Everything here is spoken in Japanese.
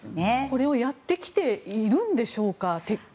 これをやってきているんでしょうか？